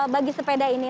bagi sepeda ini